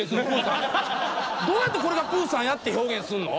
どうやってこれがプーさんやって表現すんの？